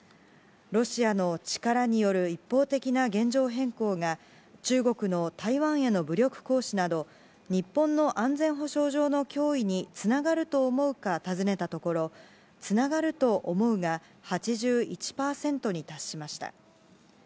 ロシアの力による一方的な現状変更が中国の台湾への武力行使など日本の安全保障上の脅威につながると思うか尋ねたところつながると思うが８１％に達しました。